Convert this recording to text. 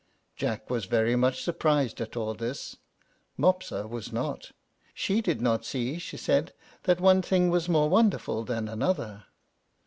Jack was very much surprised at all this; Mopsa was not. She did not see, she said, that one thing was more wonderful than another.